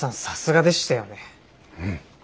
うん。